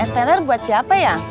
esteler buat siapa ya